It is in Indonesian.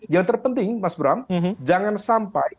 yang terpenting mas bram jangan sampai